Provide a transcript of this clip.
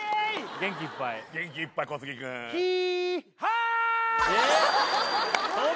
元気いっぱい元気いっぱい小杉くん